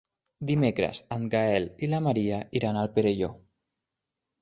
Dimecres en Gaël i na Maria iran al Perelló.